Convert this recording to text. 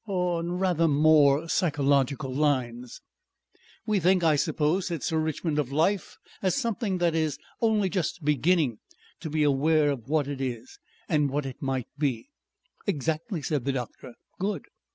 On rather more psychological lines." "We think, I suppose, said Sir Richmond, of life as something that is only just beginning to be aware of what it is and what it might be." "Exactly," said the doctor. "Good."